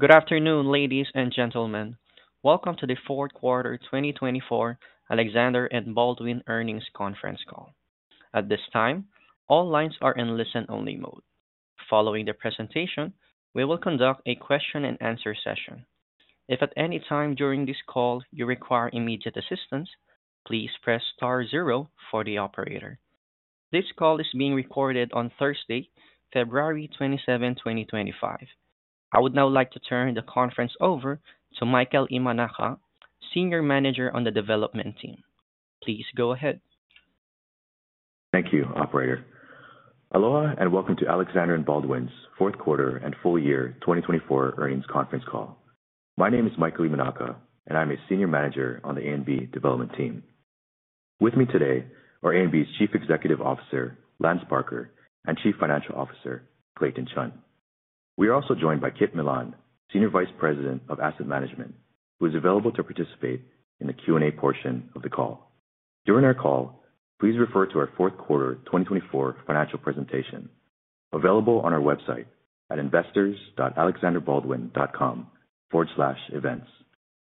Good afternoon, ladies and gentlemen. Welcome to the fourth quarter 2024 Alexander & Baldwin Earnings Conference Call. At this time, all lines are in listen-only mode. Following the presentation, we will conduct a question-and-answer session. If at any time during this call you require immediate assistance, please press star zero for the operator. This call is being recorded on Thursday, February 27, 2025. I would now like to turn the conference over to Michael Imanaka, Senior Manager on the Development Team. Please go ahead. Thank you, Operator. Aloha and welcome to Alexander & Baldwin's fourth quarter and full year 2024 earnings conference call. My name is Michael Imanaka, and I'm a Senior Manager A&B Development Team. With me today are A&B's Chief Executive Officer, Lance Parker, and Chief Financial Officer, Clayton Chun. We are also joined by Kit Millan, Senior Vice President of Asset Management, who is available to participate in the Q&A portion of the call. During our call, please refer to our fourth quarter 2024 financial presentation, available on our website at investors.alexanderbaldwin.com/events.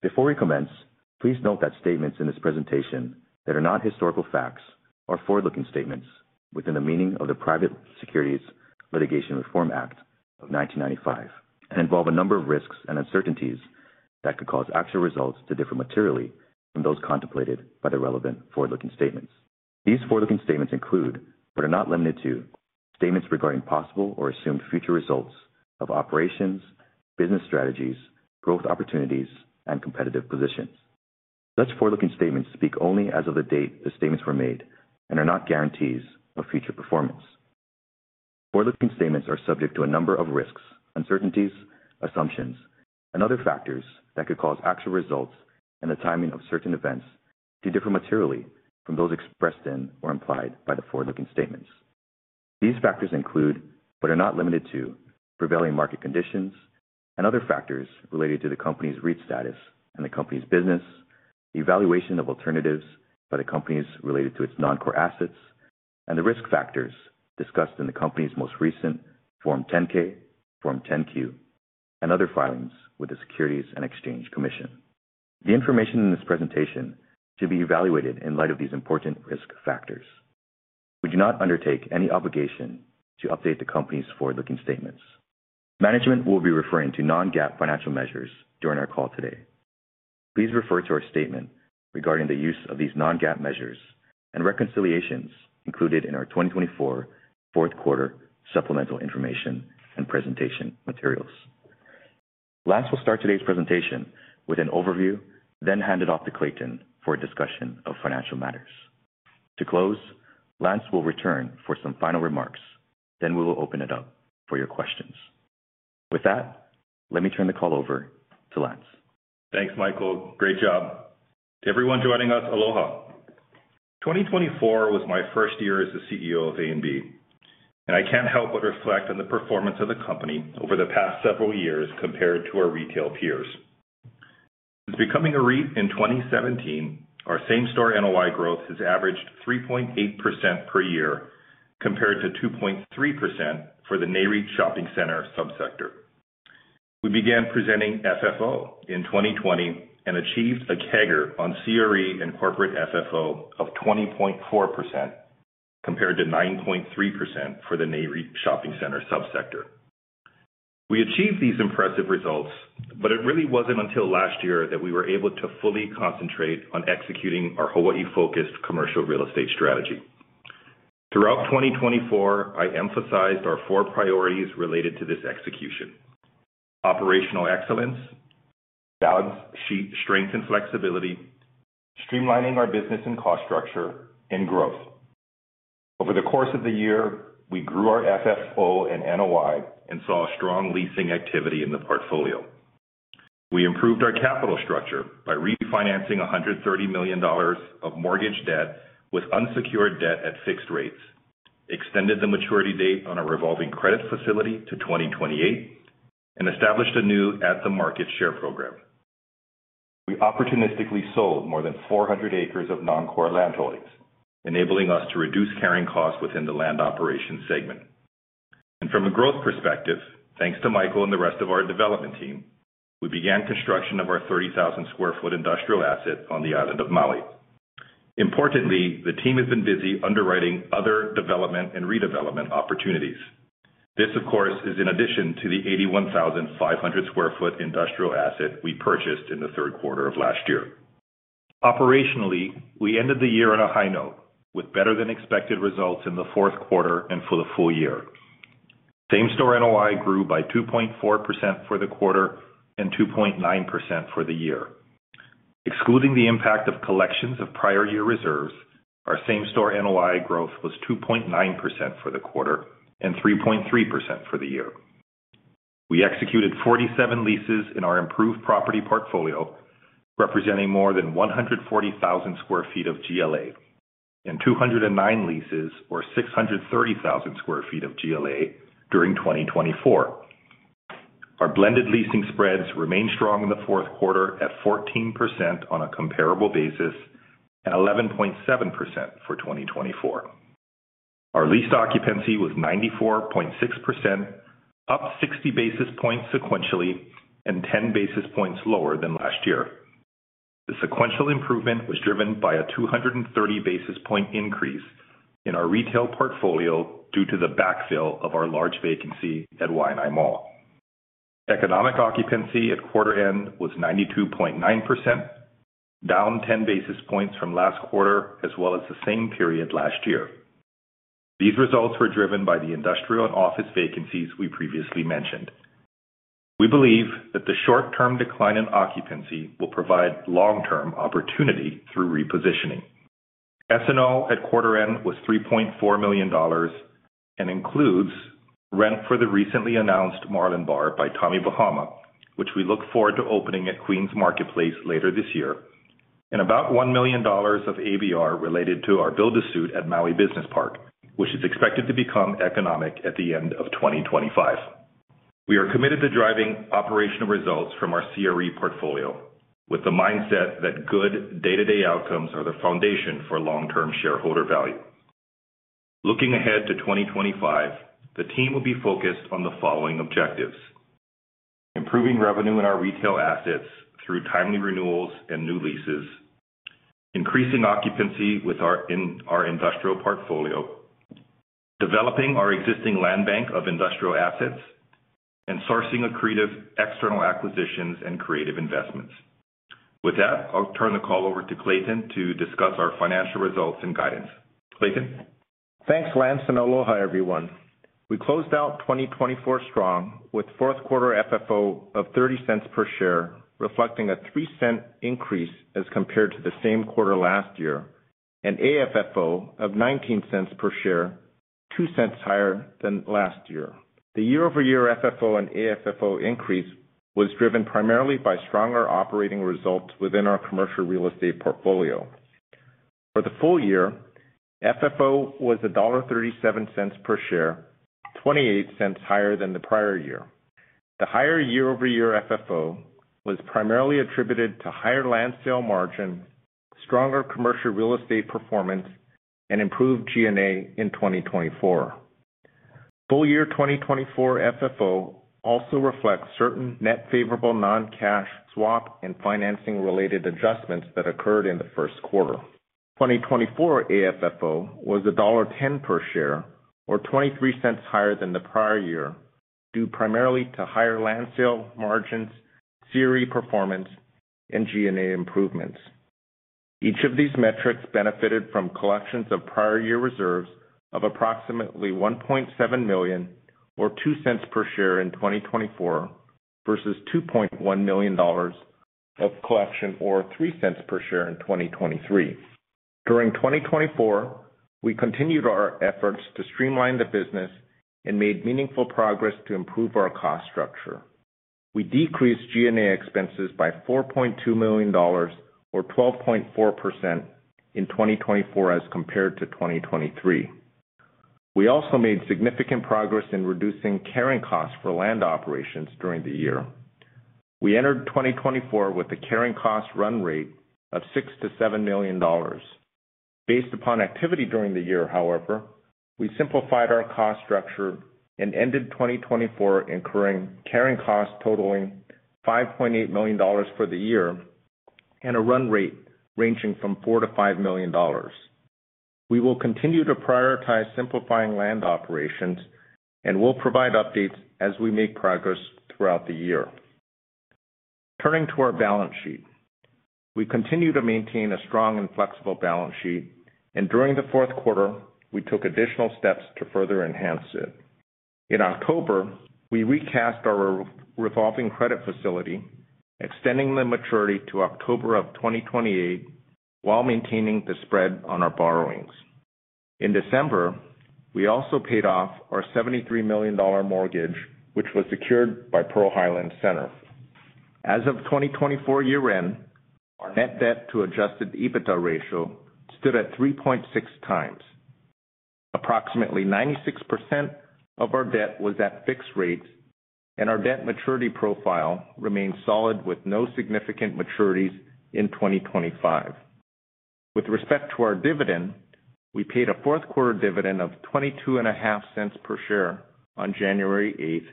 Before we commence, please note that statements in this presentation that are not historical facts are forward-looking statements within the meaning of the Private Securities Litigation Reform Act of 1995 and involve a number of risks and uncertainties that could cause actual results to differ materially from those contemplated by the relevant forward-looking statements. These forward-looking statements include, but are not limited to, statements regarding possible or assumed future results of operations, business strategies, growth opportunities, and competitive positions. Such forward-looking statements speak only as of the date the statements were made and are not guarantees of future performance. Forward-looking statements are subject to a number of risks, uncertainties, assumptions, and other factors that could cause actual results and the timing of certain events to differ materially from those expressed in or implied by the forward-looking statements. These factors include, but are not limited to, prevailing market conditions and other factors related to the company's REIT status and the company's business, the evaluation of alternatives by the companies related to its non-core assets, and the risk factors discussed in the company's most recent Form 10-K, Form 10-Q, and other filings with the Securities and Exchange Commission. The information in this presentation should be evaluated in light of these important risk factors. We do not undertake any obligation to update the company's forward-looking statements. Management will be referring to non-GAAP financial measures during our call today. Please refer to our statement regarding the use of these non-GAAP measures and reconciliations included in our 2024 fourth quarter supplemental information and presentation materials. Lance will start today's presentation with an overview, then hand it off to Clayton for a discussion of financial matters. To close, Lance will return for some final remarks, then we will open it up for your questions. With that, let me turn the call over to Lance. Thanks, Michael. Great job. To everyone joining us, aloha. 2024 was my first year as the CEO of A&B, and I can't help but reflect on the performance of the company over the past several years compared to our retail peers. Since becoming a REIT in 2017, our same-store NOI growth has averaged 3.8% per year compared to 2.3% for the Nareit Shopping Center subsector. We began presenting FFO in 2020 and achieved a CAGR on CRE and corporate FFO of 20.4% compared to 9.3% for the Nareit Shopping Center subsector. We achieved these impressive results, but it really wasn't until last year that we were able to fully concentrate on executing our Hawaii-focused commercial real estate strategy. Throughout 2024, I emphasized our four priorities related to this execution: operational excellence, balance sheet strength and flexibility, streamlining our business and cost structure, and growth. Over the course of the year, we grew our FFO and NOI and saw strong leasing activity in the portfolio. We improved our capital structure by refinancing $130 million of mortgage debt with unsecured debt at fixed rates, extended the maturity date on our revolving credit facility to 2028, and established a new at-the-market share program. We opportunistically sold more than 400 acres of non-core land holdings, enabling us to reduce carrying costs within the land operations segment. From a growth perspective, thanks to Michael and the rest of our development team, we began construction of our 30,000 sq ft industrial asset on the island of Maui. Importantly, the team has been busy underwriting other development and redevelopment opportunities. This, of course, is in addition to the 81,500 sq ft industrial asset we purchased in the third quarter of last year. Operationally, we ended the year on a high note with better-than-expected results in the fourth quarter and for the full year. Same-store NOI grew by 2.4% for the quarter and 2.9% for the year. Excluding the impact of collections of prior year reserves, our same-store NOI growth was 2.9% for the quarter and 3.3% for the year. We executed 47 leases in our improved property portfolio, representing more than 140,000 sq ft of GLA, and 209 leases or 630,000 sq ft of GLA during 2024. Our blended leasing spreads remained strong in the fourth quarter at 14% on a comparable basis and 11.7% for 2024. Our leased occupancy was 94.6%, up 60 basis points sequentially and 10 basis points lower than last year. The sequential improvement was driven by a 230 basis point increase in our retail portfolio due to the backfill of our large vacancy at Waianae Mall. Economic occupancy at quarter end was 92.9%, down 10 basis points from last quarter as well as the same period last year. These results were driven by the industrial and office vacancies we previously mentioned. We believe that the short-term decline in occupancy will provide long-term opportunity through repositioning. S&O at quarter end was $3.4 million and includes rent for the recently announced Marlin Bar by Tommy Bahama, which we look forward to opening at Queens Marketplace later this year, and about $1 million of ABR related to our build-to-suit at Maui Business Park, which is expected to become economic at the end of 2025. We are committed to driving operational results from our CRE portfolio with the mindset that good day-to-day outcomes are the foundation for long-term shareholder value. Looking ahead to 2025, the team will be focused on the following objectives: improving revenue in our retail assets through timely renewals and new leases, increasing occupancy with our industrial portfolio, developing our existing land bank of industrial assets, and sourcing of creative external acquisitions and creative investments. With that, I'll turn the call over to Clayton to discuss our financial results and guidance. Clayton. Thanks, Lance and aloha everyone. We closed out 2024 strong with fourth quarter FFO of $0.30 per share, reflecting a $0.03 increase as compared to the same quarter last year, and AFFO of $0.19 per share, $0.02 higher than last year. The year-over-year FFO and AFFO increase was driven primarily by stronger operating results within our commercial real estate portfolio. For the full year, FFO was $1.37 per share, $0.28 higher than the prior year. The higher year-over-year FFO was primarily attributed to higher land sale margin, stronger commercial real estate performance, and improved G&A in 2024. Full year 2024 FFO also reflects certain net favorable non-cash swap and financing-related adjustments that occurred in the first quarter. 2024 AFFO was $1.10 per share, or $0.23 higher than the prior year, due primarily to higher land sale margins, CRE performance, and G&A improvements. Each of these metrics benefited from collections of prior year reserves of approximately $1.7 million, or $0.02 per share in 2024, versus $2.1 million of collection, or $0.03 per share in 2023. During 2024, we continued our efforts to streamline the business and made meaningful progress to improve our cost structure. We decreased G&A expenses by $4.2 million, or 12.4% in 2024 as compared to 2023. We also made significant progress in reducing carrying costs for land operations during the year. We entered 2024 with a carrying cost run rate of $6-$7 million. Based upon activity during the year, however, we simplified our cost structure and ended 2024 incurring carrying costs totaling $5.8 million for the year and a run rate ranging from $4-$5 million. We will continue to prioritize simplifying land operations and will provide updates as we make progress throughout the year. Turning to our balance sheet, we continue to maintain a strong and flexible balance sheet, and during the fourth quarter, we took additional steps to further enhance it. In October, we recast our revolving credit facility, extending the maturity to October of 2028 while maintaining the spread on our borrowings. In December, we also paid off our $73 million mortgage, which was secured by Pearl Highlands Center. As of 2024 year-end, our net debt to adjusted EBITDA ratio stood at 3.6 times. Approximately 96% of our debt was at fixed rates, and our debt maturity profile remained solid with no significant maturities in 2025. With respect to our dividend, we paid a fourth quarter dividend of $0.22 per share on January 8th,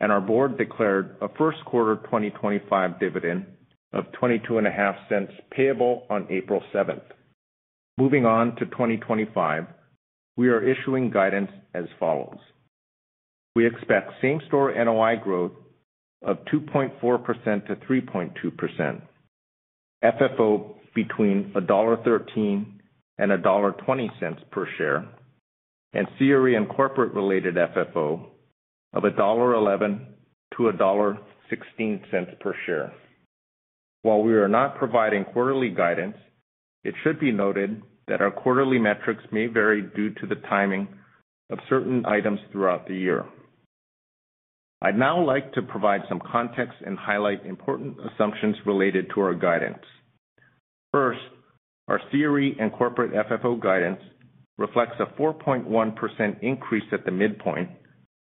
and our board declared a first quarter 2025 dividend of $0.22 payable on April 7th. Moving on to 2025, we are issuing guidance as follows. We expect same-store NOI growth of 2.4%-3.2%, FFO between $1.13 and $1.20 per share, and CRE and corporate-related FFO of $1.11-$1.16 per share. While we are not providing quarterly guidance, it should be noted that our quarterly metrics may vary due to the timing of certain items throughout the year. I'd now like to provide some context and highlight important assumptions related to our guidance. First, our CRE and corporate FFO guidance reflects a 4.1% increase at the midpoint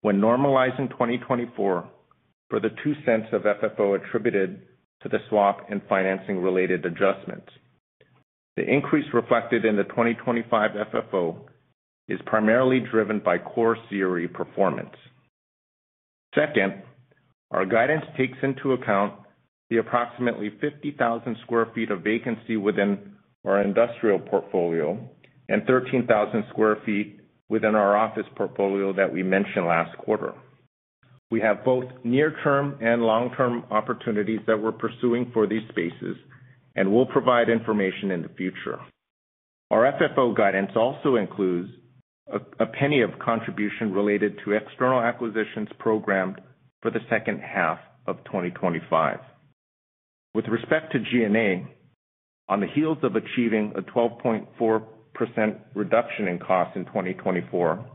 when normalizing 2024 for the $0.02 of FFO attributed to the swap and financing-related adjustments. The increase reflected in the 2025 FFO is primarily driven by core CRE performance. Second, our guidance takes into account the approximately 50,000 sq ft of vacancy within our industrial portfolio and 13,000 sq ft within our office portfolio that we mentioned last quarter. We have both near-term and long-term opportunities that we're pursuing for these spaces and will provide information in the future. Our FFO guidance also includes a penny of contribution related to external acquisitions programmed for the second half of 2025. With respect to G&A, on the heels of achieving a 12.4% reduction in costs in 2024,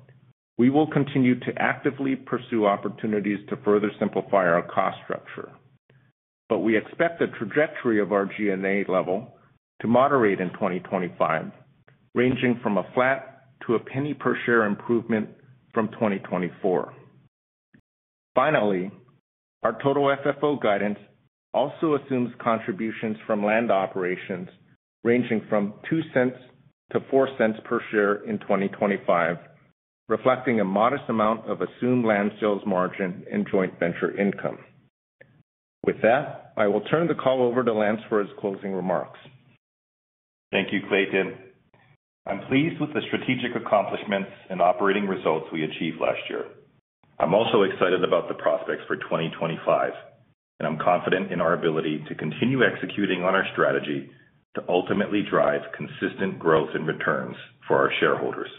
we will continue to actively pursue opportunities to further simplify our cost structure, but we expect the trajectory of our G&A level to moderate in 2025, ranging from a flat to a penny per share improvement from 2024. Finally, our total FFO guidance also assumes contributions from land operations ranging from $0.02-$0.04 per share in 2025, reflecting a modest amount of assumed land sales margin and joint venture income. With that, I will turn the call over to Lance for his closing remarks. Thank you, Clayton. I'm pleased with the strategic accomplishments and operating results we achieved last year. I'm also excited about the prospects for 2025, and I'm confident in our ability to continue executing on our strategy to ultimately drive consistent growth and returns for our shareholders.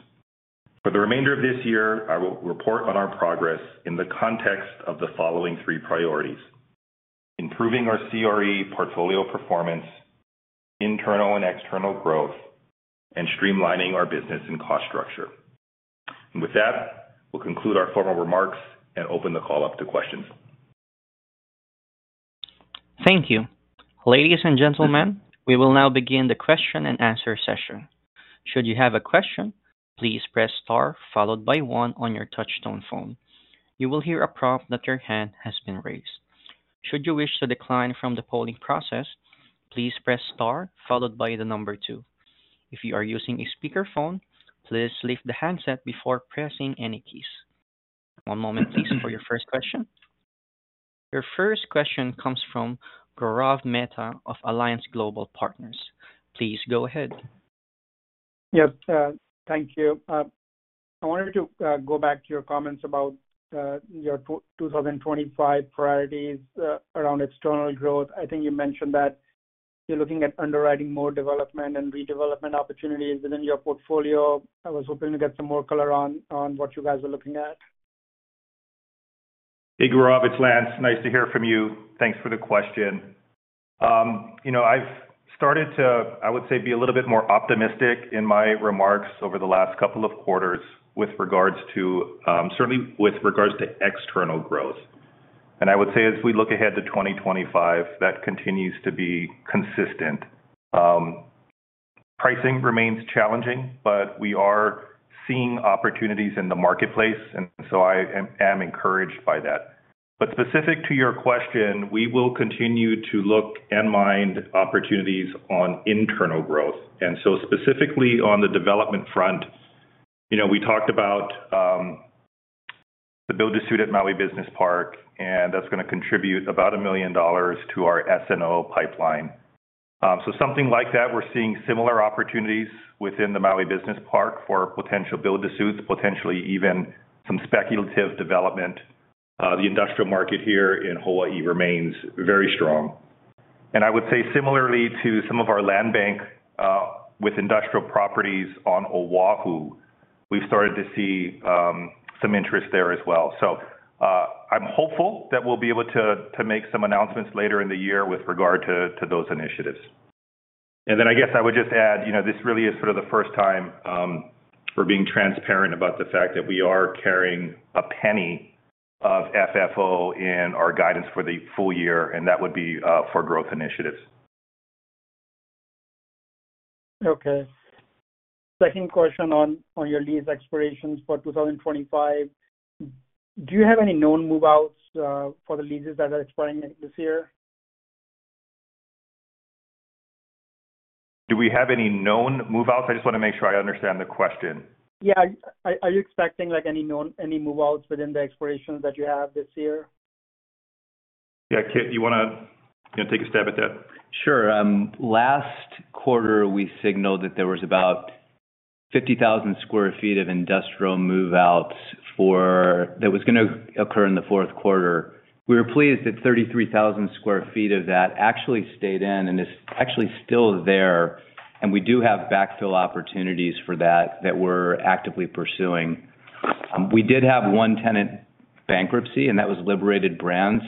For the remainder of this year, I will report on our progress in the context of the following three priorities: improving our CRE portfolio performance, internal and external growth, and streamlining our business and cost structure. With that, we'll conclude our formal remarks and open the call up to questions. Thank you. Ladies and gentlemen, we will now begin the question and answer session. Should you have a question, please press star followed by one on your touch-tone phone. You will hear a prompt that your hand has been raised. Should you wish to decline from the polling process, please press star followed by the number two. If you are using a speakerphone, please lift the handset before pressing any keys. One moment, please, for your first question. Your first question comes from Gaurav Mehta of Alliance Global Partners. Please go ahead. Yes, thank you. I wanted to go back to your comments about your 2025 priorities around external growth. I think you mentioned that you're looking at underwriting more development and redevelopment opportunities within your portfolio. I was hoping to get some more color on what you guys are looking at. Hey, Gaurav, it's Lance. Nice to hear from you. Thanks for the question. You know, I've started to, I would say, be a little bit more optimistic in my remarks over the last couple of quarters with regards to, certainly with regards to external growth. I would say as we look ahead to 2025, that continues to be consistent. Pricing remains challenging, but we are seeing opportunities in the marketplace, and so I am encouraged by that. Specific to your question, we will continue to look and mind opportunities on internal growth. Specifically on the development front, you know, we talked about the build-to-suit at Maui Business Park, and that's going to contribute about $1 million to our S&O pipeline. Something like that, we're seeing similar opportunities within the Maui Business Park for potential build-to-suits, potentially even some speculative development. The industrial market here in Hawaii remains very strong. I would say similarly to some of our land bank with industrial properties on Oahu, we've started to see some interest there as well. I am hopeful that we'll be able to make some announcements later in the year with regard to those initiatives. I guess I would just add, you know, this really is sort of the first time we're being transparent about the fact that we are carrying a penny of FFO in our guidance for the full year, and that would be for growth initiatives. Okay. Second question on your lease expirations for 2025. Do you have any known move-outs for the leases that are expiring this year? Do we have any known move-outs? I just want to make sure I understand the question. Yeah. Are you expecting any known, any move-outs within the expirations that you have this year? Yeah, Kit, do you want to take a stab at that? Sure. Last quarter, we signaled that there was about 50,000 sq ft of industrial move-outs that was going to occur in the fourth quarter. We were pleased that 33,000 sq ft of that actually stayed in and is actually still there, and we do have backfill opportunities for that that we're actively pursuing. We did have one tenant bankruptcy, and that was Liberated Brands.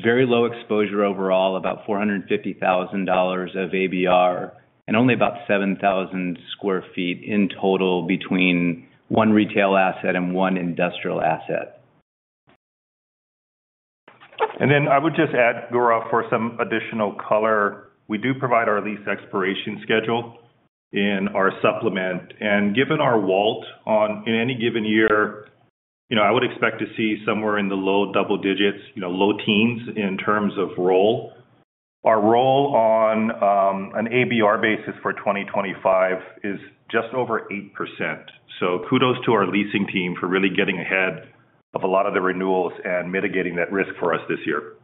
Very low exposure overall, about $450,000 of ABR and only about 7,000 sq ft in total between one retail asset and one industrial asset. I would just add, Gaurav, for some additional color, we do provide our lease expiration schedule in our supplement. Given our WALT on any given year, you know, I would expect to see somewhere in the low double digits, you know, low teens in terms of roll. Our roll on an ABR basis for 2025 is just over 8%. Kudos to our leasing team for really getting ahead of a lot of the renewals and mitigating that risk for us this year.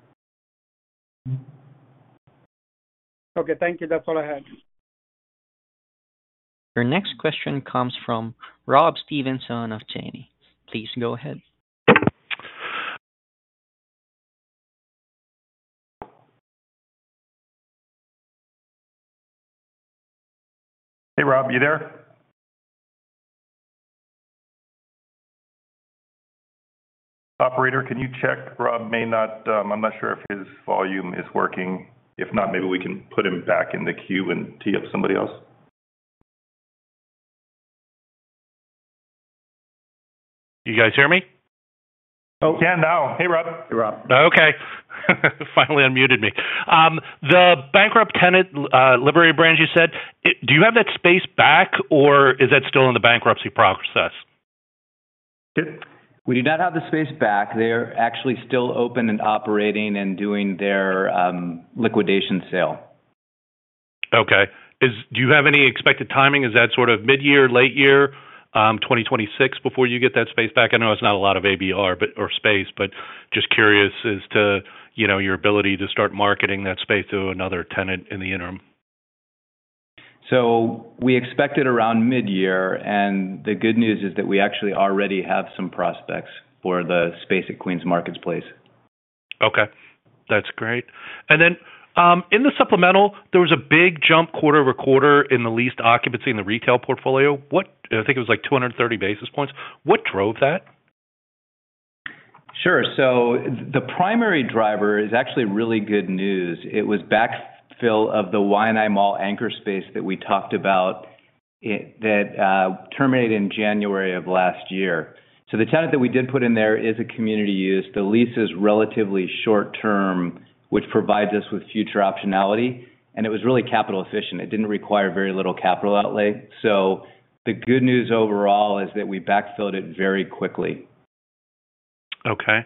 Okay, thank you. That's all I had. Your next question comes from Rob Stevenson of Janney. Please go ahead. Hey, Rob, you there? Operator, can you check? Rob may not, I'm not sure if his volume is working. If not, maybe we can put him back in the queue and tee up somebody else. You guys hear me? Oh. Can now. Hey, Rob. Hey, Rob. Okay. Finally unmuted me. The bankrupt tenant, Liberated Brands, you said, do you have that space back, or is that still in the bankruptcy process? We do not have the space back. They're actually still open and operating and doing their liquidation sale. Okay. Do you have any expected timing? Is that sort of mid-year, late year, 2026 before you get that space back? I know it's not a lot of ABR or space, but just curious as to, you know, your ability to start marketing that space to another tenant in the interim. We expect it around mid-year, and the good news is that we actually already have some prospects for the space at Queens Marketplace. Okay. That's great. In the supplemental, there was a big jump quarter over quarter in the leased occupancy in the retail portfolio. I think it was like 230 basis points. What drove that? Sure. The primary driver is actually really good news. It was backfill of the Waianae Mall anchor space that we talked about that terminated in January of last year. The tenant that we did put in there is a community use. The lease is relatively short-term, which provides us with future optionality, and it was really capital efficient. It did not require very much capital outlay. The good news overall is that we backfilled it very quickly. Okay.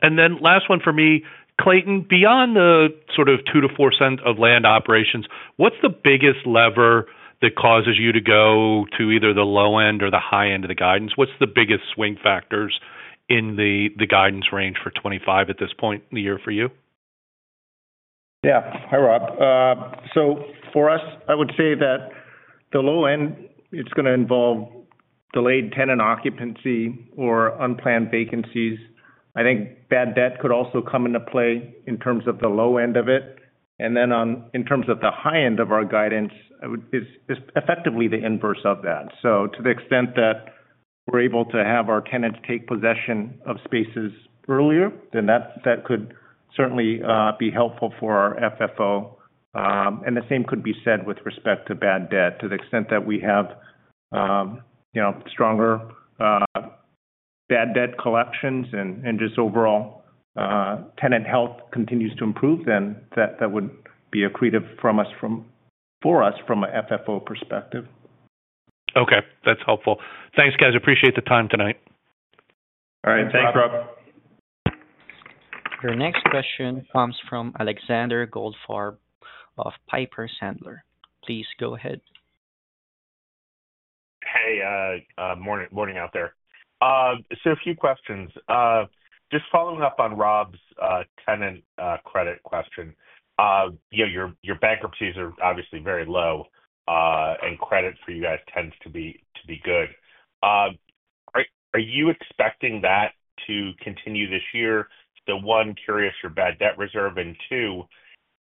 And then last one for me, Clayton, beyond the sort of $0.02-$0.04 of land operations, what's the biggest lever that causes you to go to either the low end or the high end of the guidance? What's the biggest swing factors in the guidance range for 2025 at this point in the year for you? Yeah. Hi, Rob. For us, I would say that the low end, it's going to involve delayed tenant occupancy or unplanned vacancies. I think bad debt could also come into play in terms of the low end of it. In terms of the high end of our guidance, it's effectively the inverse of that. To the extent that we're able to have our tenants take possession of spaces earlier, that could certainly be helpful for our FFO. The same could be said with respect to bad debt. To the extent that we have, you know, stronger bad debt collections and just overall tenant health continues to improve, that would be accretive for us from an FFO perspective. Okay. That's helpful. Thanks, guys. Appreciate the time tonight. All right. Thanks, Rob. Your next question comes from Alexander Goldfarb of Piper Sandler. Please go ahead. Hey, morning out there. A few questions. Just following up on Rob's tenant credit question, your bankruptcies are obviously very low, and credit for you guys tends to be good. Are you expecting that to continue this year? One, curious your bad debt reserve. Two,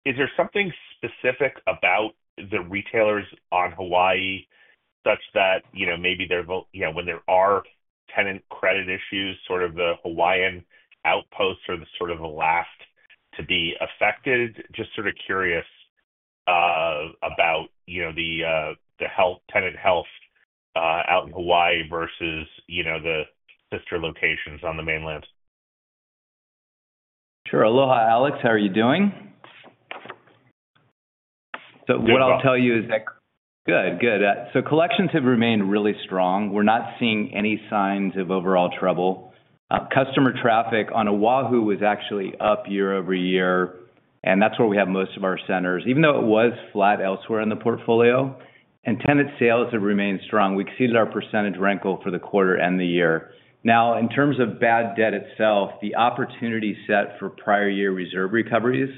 is there something specific about the retailers on Hawaii such that, you know, maybe when there are tenant credit issues, sort of the Hawaiian outposts are the sort of the last to be affected? Just sort of curious about, you know, the tenant health out in Hawaii versus, you know, the sister locations on the mainland. Sure. Aloha, Alex. How are you doing? What I'll tell you is that. Good. Good. Collections have remained really strong. We're not seeing any signs of overall trouble. Customer traffic on Oahu was actually up year over year, and that's where we have most of our centers, even though it was flat elsewhere in the portfolio. Tenant sales have remained strong. We exceeded our percentage rent goal for the quarter and the year. Now, in terms of bad debt itself, the opportunity set for prior year reserve recoveries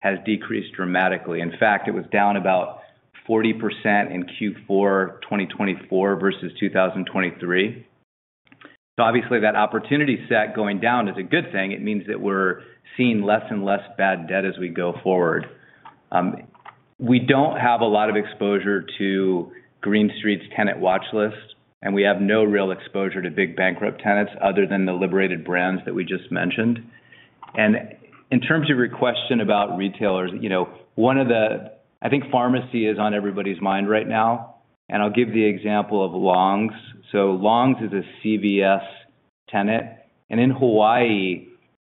has decreased dramatically. In fact, it was down about 40% in Q4 2024 versus 2023. That opportunity set going down is a good thing. It means that we're seeing less and less bad debt as we go forward. We don't have a lot of exposure to Green Street's tenant watchlist, and we have no real exposure to big bankrupt tenants other than the Liberated Brands that we just mentioned. In terms of your question about retailers, you know, one of the, I think pharmacy is on everybody's mind right now. I'll give the example of Longs. Longs is a CVS tenant. In Hawaii,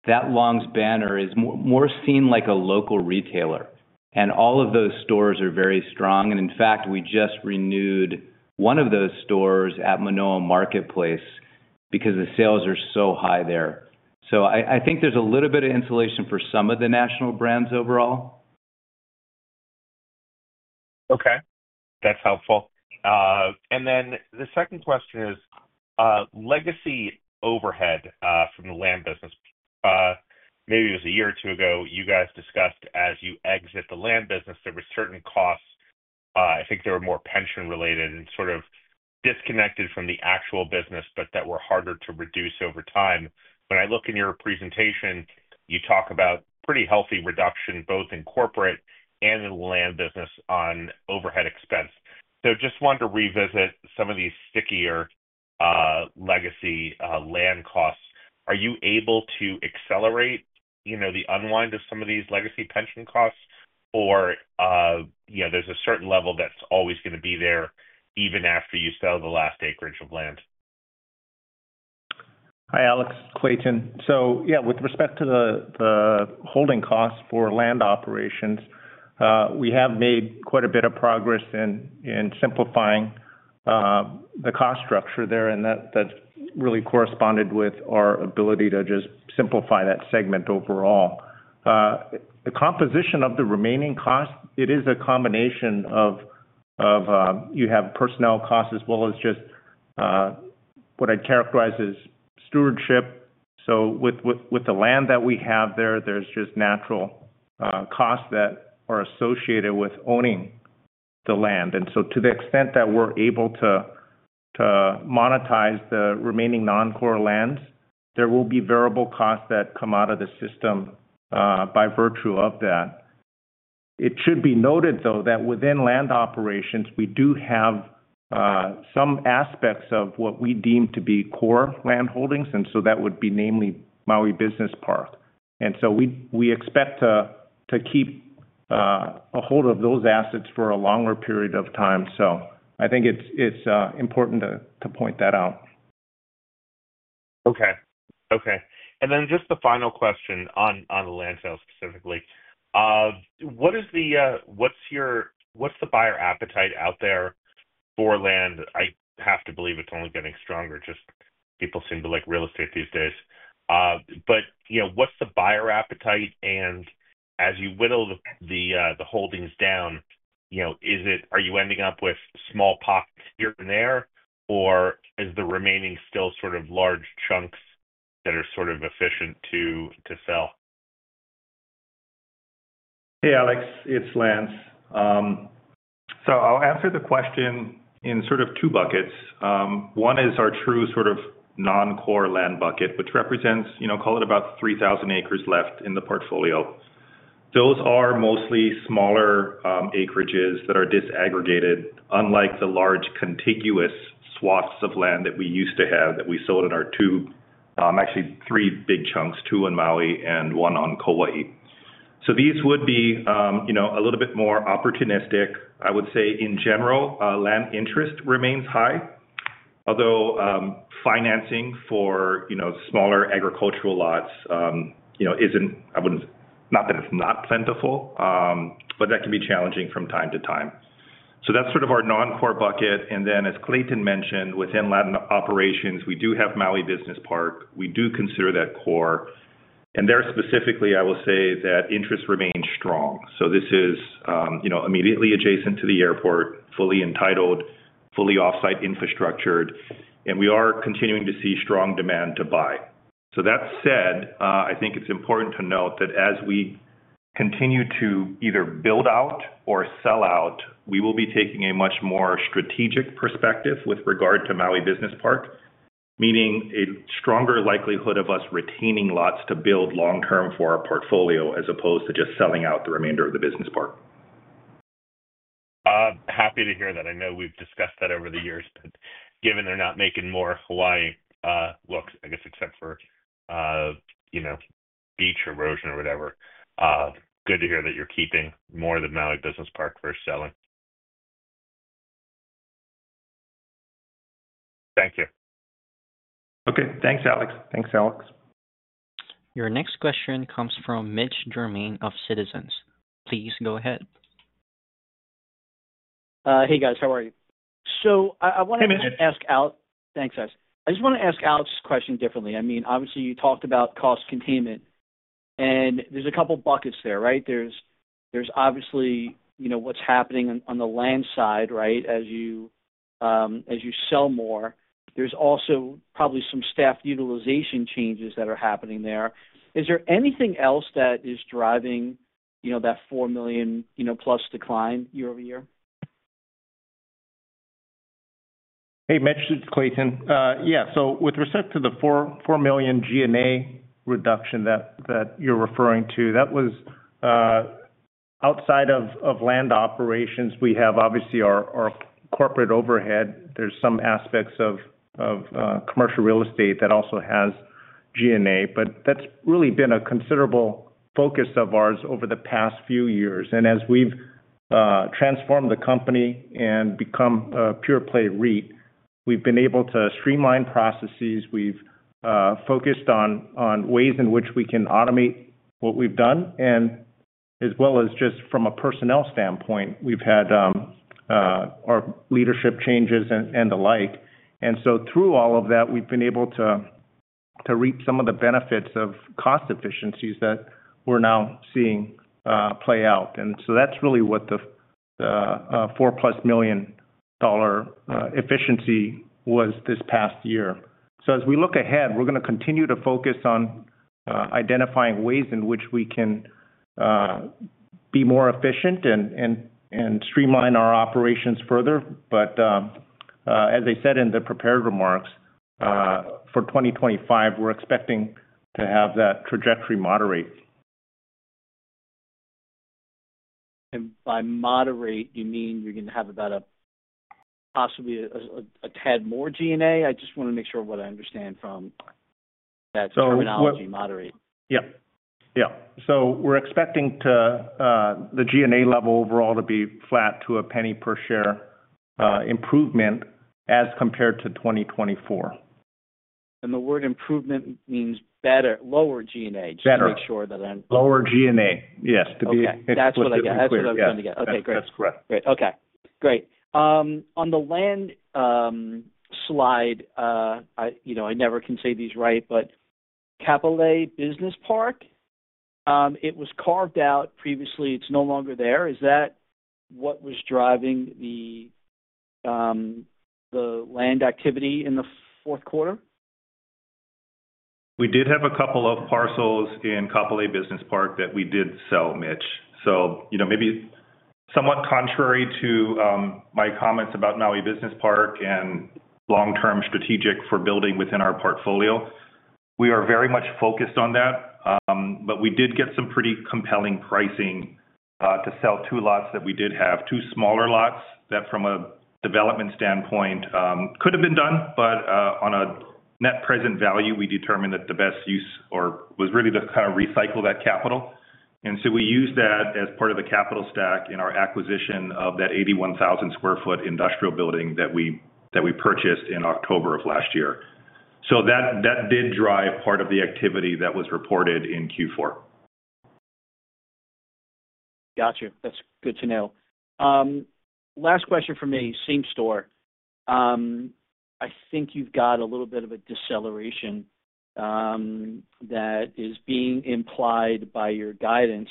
that Longs banner is more seen like a local retailer. All of those stores are very strong. In fact, we just renewed one of those stores at Manoa Marketplace because the sales are so high there. I think there's a little bit of insulation for some of the national brands overall. Okay. That's helpful. The second question is legacy overhead from the land business. Maybe it was a year or two ago you guys discussed as you exit the land business, there were certain costs, I think they were more pension-related and sort of disconnected from the actual business, but that were harder to reduce over time. When I look in your presentation, you talk about pretty healthy reduction both in corporate and in the land business on overhead expense. Just wanted to revisit some of these stickier legacy land costs. Are you able to accelerate, you know, the unwind of some of these legacy pension costs or, you know, there's a certain level that's always going to be there even after you sell the last acreage of land? Hi, Alex, Clayton. With respect to the holding costs for land operations, we have made quite a bit of progress in simplifying the cost structure there, and that has really corresponded with our ability to just simplify that segment overall. The composition of the remaining cost, it is a combination of you have personnel costs as well as just what I'd characterize as stewardship. With the land that we have there, there are just natural costs that are associated with owning the land. To the extent that we're able to monetize the remaining non-core lands, there will be variable costs that come out of the system by virtue of that. It should be noted, though, that within land operations, we do have some aspects of what we deem to be core land holdings, and that would be namely Maui Business Park. We expect to keep a hold of those assets for a longer period of time. I think it's important to point that out. Okay. Okay. And then just the final question on the land sales specifically. What is the, what's your, what's the buyer appetite out there for land? I have to believe it's only getting stronger. Just people seem to like real estate these days. But, you know, what's the buyer appetite? And as you whittle the holdings down, you know, is it, are you ending up with small pockets here and there, or is the remaining still sort of large chunks that are sort of efficient to sell? Hey, Alex, it's Lance. I'll answer the question in sort of two buckets. One is our true sort of non-core land bucket, which represents, you know, call it about 3,000 acres left in the portfolio. Those are mostly smaller acreages that are disaggregated, unlike the large contiguous swaths of land that we used to have that we sold in our two, actually three big chunks, two on Maui and one on Kauai. These would be, you know, a little bit more opportunistic. I would say in general, land interest remains high, although financing for, you know, smaller agricultural lots, you know, isn't, I wouldn't, not that it's not plentiful, but that can be challenging from time to time. That's sort of our non-core bucket. As Clayton mentioned, within land operations, we do have Maui Business Park. We do consider that core. There specifically, I will say that interest remains strong. This is, you know, immediately adjacent to the airport, fully entitled, fully off-site infrastructured, and we are continuing to see strong demand to buy. That said, I think it's important to note that as we continue to either build out or sell out, we will be taking a much more strategic perspective with regard to Maui Business Park, meaning a stronger likelihood of us retaining lots to build long-term for our portfolio as opposed to just selling out the remainder of the business park. Happy to hear that. I know we've discussed that over the years, but given they're not making more Hawaii, look, I guess, except for, you know, beach erosion or whatever, good to hear that you're keeping more than Maui Business Park for selling. Thank you. Okay. Thanks, Alex. Thanks, Alex. Your next question comes from Mitch Germain of Citizens. Please go ahead. Hey, guys. How are you? I wanted to ask Alex. Hey, Mitch. Thanks, guys. I just want to ask Alex's question differently. I mean, obviously, you talked about cost containment, and there's a couple of buckets there, right? There's obviously, you know, what's happening on the land side, right? As you sell more, there's also probably some staff utilization changes that are happening there. Is there anything else that is driving, you know, that $4 million, you know, plus decline year over year? Hey, Mitch, Clayton. Yeah. With respect to the $4 million G&A reduction that you're referring to, that was outside of land operations. We have obviously our corporate overhead. There's some aspects of commercial real estate that also has G&A, but that's really been a considerable focus of ours over the past few years. As we've transformed the company and become a pure play REIT, we've been able to streamline processes. We've focused on ways in which we can automate what we've done. As well as just from a personnel standpoint, we've had our leadership changes and the like. Through all of that, we've been able to reap some of the benefits of cost efficiencies that we're now seeing play out. That's really what the $4 million-plus efficiency was this past year. As we look ahead, we're going to continue to focus on identifying ways in which we can be more efficient and streamline our operations further. As I said in the prepared remarks, for 2025, we're expecting to have that trajectory moderate. By moderate, you mean you're going to have about a possibly a tad more G&A? I just want to make sure what I understand from that terminology, moderate. Yeah. Yeah. We're expecting the G&A level overall to be flat to a penny per share improvement as compared to 2024. The word improvement means better, lower G&A. Better. Just to make sure that I'm. Lower G&A. Yes. Okay. That's what I got. That's what I was going to get. Okay. Great. That's correct. Great. Okay. Great. On the land slide, you know, I never can say these right, but Maui Business Park, it was carved out previously. It's no longer there. Is that what was driving the land activity in the fourth quarter? We did have a couple of parcels in Kapolei Business Park that we did sell, Mitch. You know, maybe somewhat contrary to my comments about Maui Business Park and long-term strategic for building within our portfolio, we are very much focused on that. We did get some pretty compelling pricing to sell two lots that we did have, two smaller lots that from a development standpoint could have been done, but on a net present value, we determined that the best use was really to kind of recycle that capital. We used that as part of the capital stack in our acquisition of that 81,000 sq ft industrial building that we purchased in October of last year. That did drive part of the activity that was reported in Q4. Gotcha. That's good to know. Last question for me, same-store. I think you've got a little bit of a deceleration that is being implied by your guidance.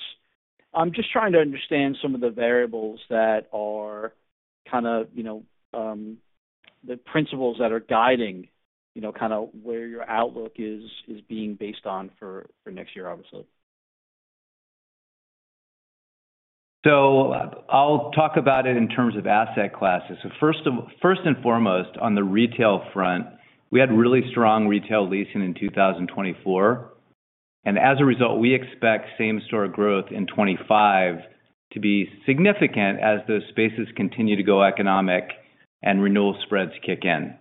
I'm just trying to understand some of the variables that are kind of, you know, the principles that are guiding, you know, kind of where your outlook is being based on for next year, obviously. I'll talk about it in terms of asset classes. First and foremost, on the retail front, we had really strong retail leasing in 2024. As a result, we expect same-store growth in 2025 to be significant as those spaces continue to go economic and renewal spreads kick in.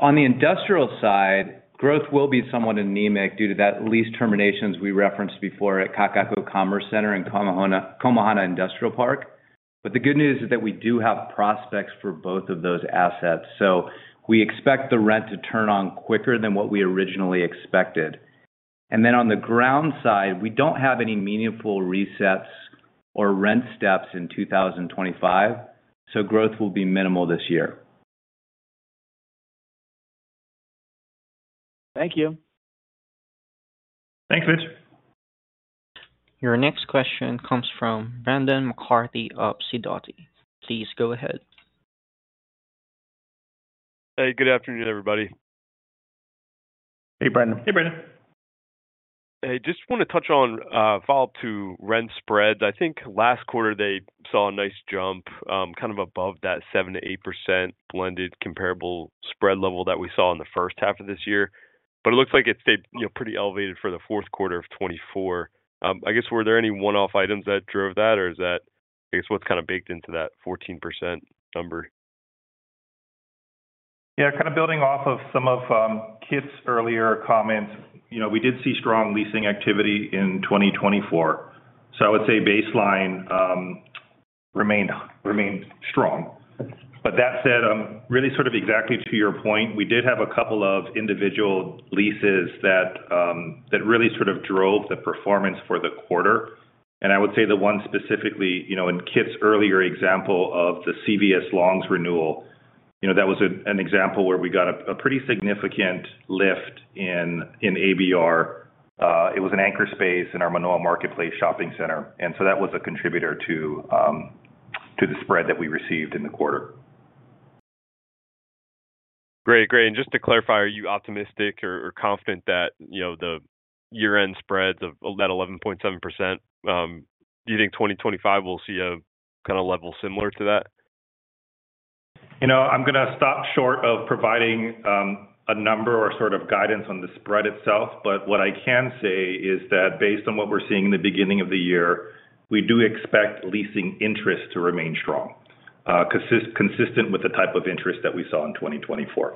On the industrial side, growth will be somewhat anemic due to that lease terminations we referenced before at Kakaako Commerce Center and Komohana Industrial Park. The good news is that we do have prospects for both of those assets. We expect the rent to turn on quicker than what we originally expected. On the ground side, we do not have any meaningful resets or rent steps in 2025. Growth will be minimal this year. Thank you. Thanks, Mitch. Your next question comes from Brendan McCarthy of Sidoti. Please go ahead. Hey, good afternoon, everybody. Hey, Brendan. Hey, Brendan. Hey, just want to touch on follow-up to rent spreads. I think last quarter they saw a nice jump kind of above that 7-8% blended comparable spread level that we saw in the first half of this year. It looks like it stayed, you know, pretty elevated for the fourth quarter of 2024. I guess, were there any one-off items that drove that, or is that, I guess, what's kind of baked into that 14% number? Yeah, kind of building off of some of Kit's earlier comments, you know, we did see strong leasing activity in 2024. I would say baseline remained strong. That said, really sort of exactly to your point, we did have a couple of individual leases that really sort of drove the performance for the quarter. I would say the one specifically, you know, in Kit's earlier example of the CVS Longs renewal, you know, that was an example where we got a pretty significant lift in ABR. It was an anchor space in our Manoa Marketplace shopping center. That was a contributor to the spread that we received in the quarter. Great. Great. Just to clarify, are you optimistic or confident that, you know, the year-end spreads of that 11.7%, do you think 2025 will see a kind of level similar to that? You know, I'm going to stop short of providing a number or sort of guidance on the spread itself. What I can say is that based on what we're seeing in the beginning of the year, we do expect leasing interest to remain strong, consistent with the type of interest that we saw in 2024.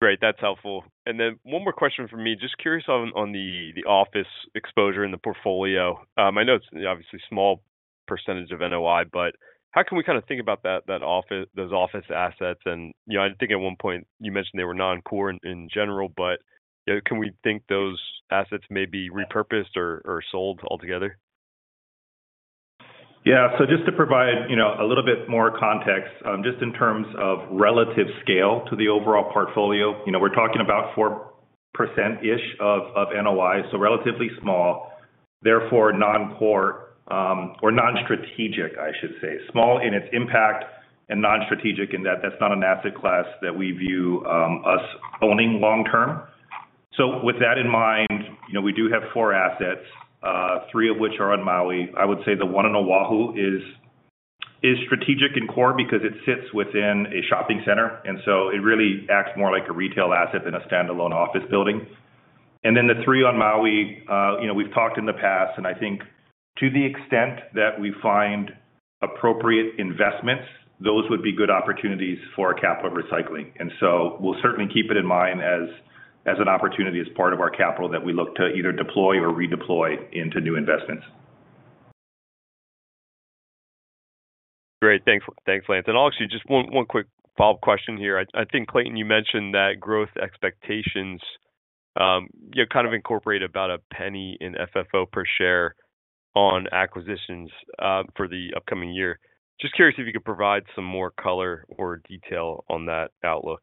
Great. That's helpful. One more question for me. Just curious on the office exposure in the portfolio. I know it's obviously a small percentage of NOI, but how can we kind of think about those office assets? You know, I think at one point you mentioned they were non-core in general, but can we think those assets may be repurposed or sold altogether? Yeah. Just to provide, you know, a little bit more context, just in terms of relative scale to the overall portfolio, you know, we're talking about 4%-ish of NOI, so relatively small, therefore non-core or non-strategic, I should say. Small in its impact and non-strategic in that that's not an asset class that we view us owning long-term. With that in mind, you know, we do have four assets, three of which are on Maui. I would say the one on Oahu is strategic and core because it sits within a shopping center. It really acts more like a retail asset than a standalone office building. The three on Maui, you know, we've talked in the past, and I think to the extent that we find appropriate investments, those would be good opportunities for capital recycling. We will certainly keep it in mind as an opportunity as part of our capital that we look to either deploy or redeploy into new investments. Great. Thanks, Lance. I'll actually just one quick follow-up question here. I think, Clayton, you mentioned that growth expectations, you know, kind of incorporate about a penny in FFO per share on acquisitions for the upcoming year. Just curious if you could provide some more color or detail on that outlook.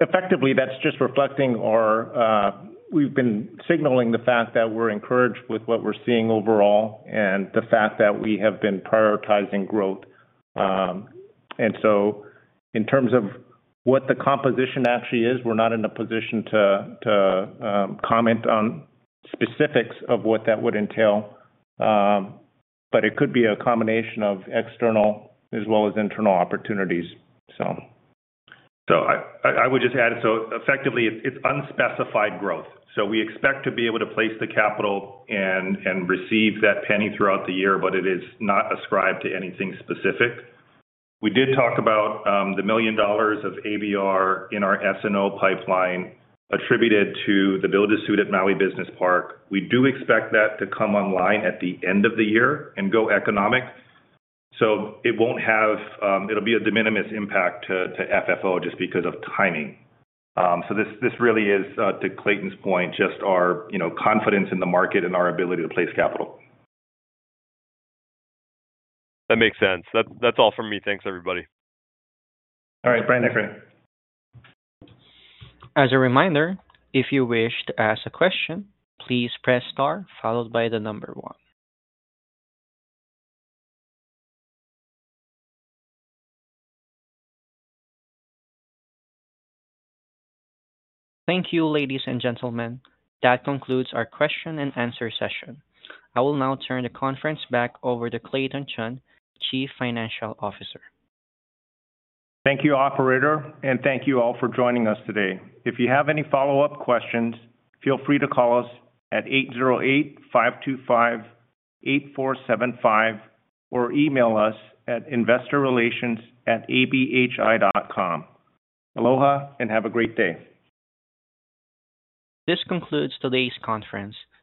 Effectively, that's just reflecting our we've been signaling the fact that we're encouraged with what we're seeing overall and the fact that we have been prioritizing growth. In terms of what the composition actually is, we're not in a position to comment on specifics of what that would entail. It could be a combination of external as well as internal opportunities. I would just add, effectively, it's unspecified growth. We expect to be able to place the capital and receive that penny throughout the year, but it is not ascribed to anything specific. We did talk about the million dollars of ABR in our S&O pipeline attributed to the built to suit at Maui Business Park. We do expect that to come online at the end of the year and go economic. It will be a de minimis impact to FFO just because of timing. This really is, to Clayton's point, just our, you know, confidence in the market and our ability to place capital. That makes sense. That's all from me. Thanks, everybody. All right. Brendan, for you. As a reminder, if you wish to ask a question, please press star followed by the number one. Thank you, ladies and gentlemen. That concludes our question and answer session. I will now turn the conference back over to Clayton Chun, Chief Financial Officer. Thank you, Operator, and thank you all for joining us today. If you have any follow-up questions, feel free to call us at 808-525-8475 or email us at investorrelations@abhi.com. Aloha and have a great day. This concludes today's conference. Thanks.